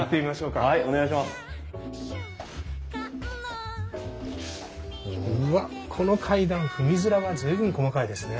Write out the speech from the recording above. うわっこの階段踏み面が随分細かいですね。